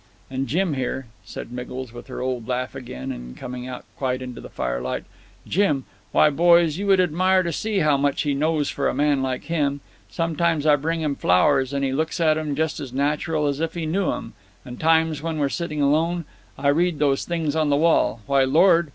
And Jim here," said Miggles, with her old laugh again, and coming out quite into the firelight, "Jim why, boys, you would admire to see how much he knows for a man like him. Sometimes I bring him flowers, and he looks at 'em just as natural as if he knew 'em; and times, when we're sitting alone, I read him those things on the wall. Why, Lord!"